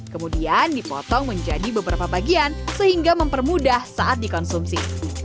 kemudian dipotong menjadi beberapa bagian sehingga mempermudah saat dikonsumsi